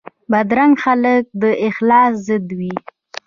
بدرنګه خلک د اخلاص ضد وي